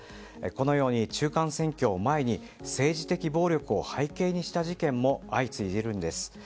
このように中間選挙を前に政治的暴力を背景にした事件も相次いでいるんです。